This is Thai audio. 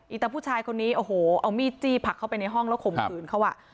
อีตะผู้ชายคนนี้เอามีดจี้ผลักเข้าไปในห้องแล้วขมคืนเขาอ่ะ